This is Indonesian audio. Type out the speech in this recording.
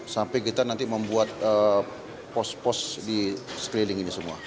sampai kita nanti membuat pos pos di sekeliling ini semua